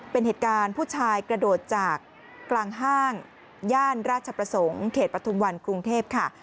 เป็นเหตุการณ์ผู้ชายกระโดดจากกลางห้างย่านราชประสงค์เขตปฐุมวันกรุงเทพค่ะ